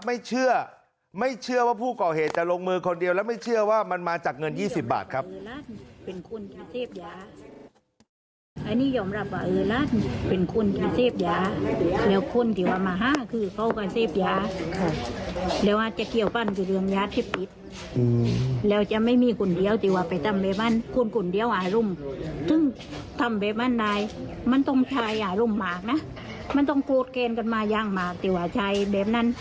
ไม่เชื่อไม่เชื่อว่าผู้ก่อเหตุจะลงมือคนเดียวแล้วไม่เชื่อว่ามันมาจากเงิน๒๐บาทครับ